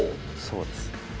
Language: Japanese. そうです。